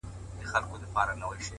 صبر د بریا د پخېدو موسم دی؛